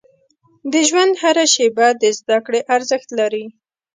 • د ژوند هره شیبه د زده کړې ارزښت لري.